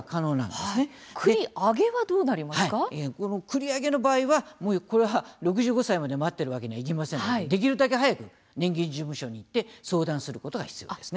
繰り上げの場合はこれは６５歳まで待っているわけにはいきませんのでできるだけ早く年金事務所に行って相談することが必要です。